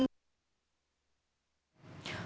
pemimpinan dpr muhai mini skandar